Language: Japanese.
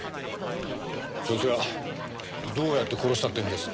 そいつがどうやって殺したっていうんです？